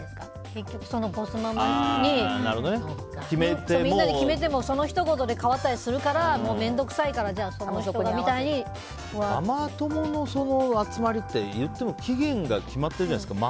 結局、ボスママにみんなで決めてもそのひと言で変わったりするから面倒くさいからその人がみたいに。ママ友の集まりって、言っても期限が決まってるじゃないですか。